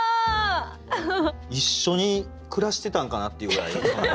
一緒に暮らしてたんかなっていうぐらい。